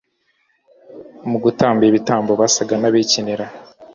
Mu gutamba ibitambo basaga n'abikinira: